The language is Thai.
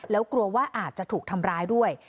แล้วกลัวว่าอาจจะถูกทำร้ายด้วย